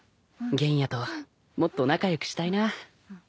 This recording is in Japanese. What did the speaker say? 玄弥ともっと仲良くしたいな。